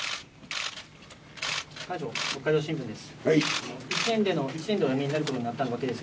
北海道新聞です。